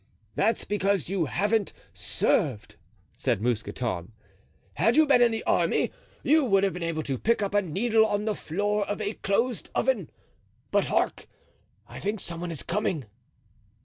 "That's because you haven't served," said Mousqueton. "Had you been in the army you would have been able to pick up a needle on the floor of a closed oven. But hark! I think some one is coming."